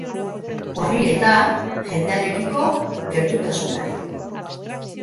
Horri eta jendearekiko gertutasunari.